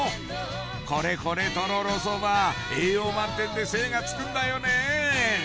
これこれとろろそば栄養満点で精がつくんだよね